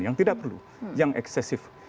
yang tidak perlu yang eksesif